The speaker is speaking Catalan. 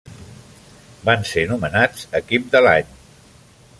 Van ser nomenats equip de l'any.